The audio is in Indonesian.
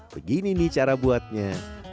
begini nih cara buatnya